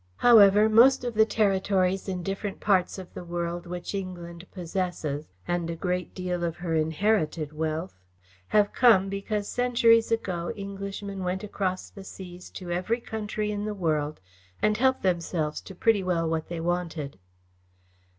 "However, most of the territories in different parts of the world which England possesses and a great deal of her inherited wealth, have come because centuries ago Englishmen went across the seas to every country in the world and helped themselves to pretty well what they wanted."